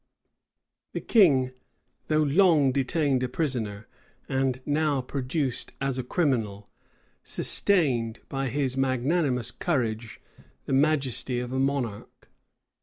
The king, though long detained a prisoner, and now produced as a criminal, sustained, by his magnanimous courage, the majesty of a monarch.